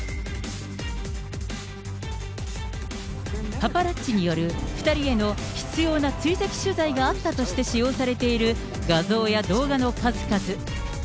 パパラッチによる、２人への執ような追跡取材があったとして使用されている画像や動画の数々。